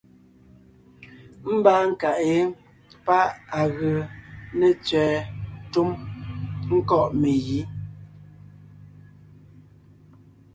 Ḿbaa nkàʼ yé páʼ à gee ne tsẅɛ̀ɛ túm ńkɔ̂ʼ megǐ.